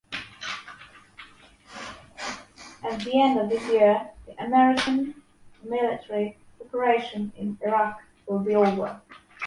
At the end of this year, the American military operation in Iraq will be over.